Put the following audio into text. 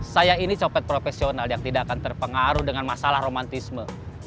saya ini copet profesional yang tidak akan terpengaruh dengan masalah romantisme